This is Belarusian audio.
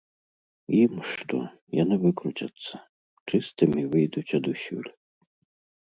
Ім што, яны выкруцяцца, чыстымі выйдуць адусюль.